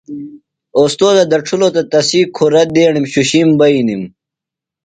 اوستوذہ دڇھلوۡ تہ تسی کُھرہ دیݨِم شُشِیم بئینِم۔